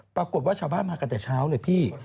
ปรากฏว่าชาวบ้านมากันแต่เช้าเลยพี่